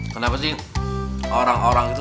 kenapa sih orang orang itu